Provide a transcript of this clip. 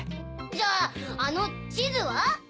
じゃああの地図は！？